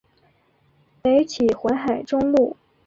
北起淮海中路。